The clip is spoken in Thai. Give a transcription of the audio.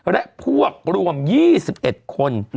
และพวกรวม๒๑คน